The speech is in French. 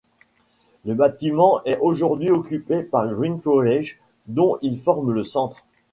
Le bâtiment est aujourd'hui occupé par Green College, dont il forme le centre.